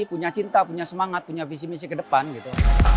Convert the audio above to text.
punya cinta punya semangat punya visi misi ke depan gitu